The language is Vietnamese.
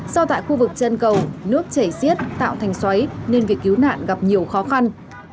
do tại khu vực chân cầu nước chảy xiết tạo thành xoáy nên việc cứu nạn gặp nhiều khó khăn